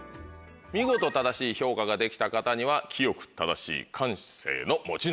見事正しい評価ができた方には清く正しい感性の持ち主。